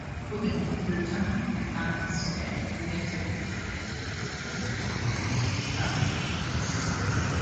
Following his return, the Canucks were eliminated in the sixth game by the Blackhawks.